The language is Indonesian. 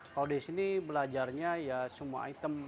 kalau di sini belajarnya ya semua item